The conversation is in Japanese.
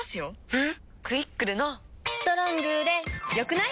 えっ⁉「クイックル」の「『ストロング』で良くない？」